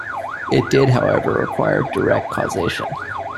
It did, however, require direct causation.